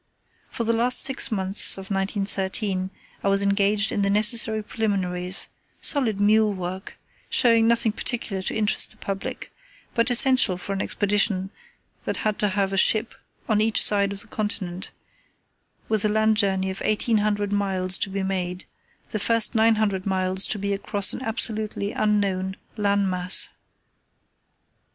For the last six months of 1913 I was engaged in the necessary preliminaries, solid mule work, showing nothing particular to interest the public, but essential for an Expedition that had to have a ship on each side of the Continent, with a land journey of eighteen hundred miles to be made, the first nine hundred miles to be across an absolutely unknown land mass.